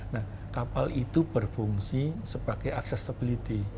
nah kapal itu berfungsi sebagai accessibility